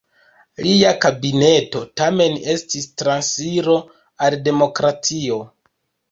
Lia kabineto tamen estis transiro al demokratio.